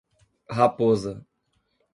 Raposa